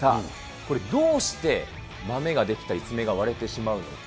これ、どうしてマメが出来たり、爪が割れてしまうのか。